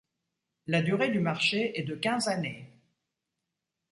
La durée du marché est de quinze années.